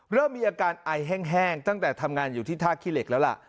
เริ่มมีอาการไอแห้งตั้งแต่ทำงานอยู่ที่ท่าขี้เหล็กแล้วล่ะ